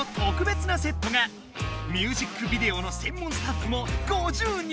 ミュージックビデオのせん門スタッフも５０人！